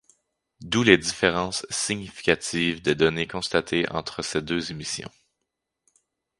D'où les différences significatives des données constatées entre ces deux émissions.